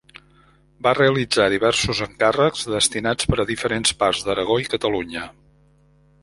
Va realitzar diversos encàrrecs destinats per a diferents parts d'Aragó i Catalunya.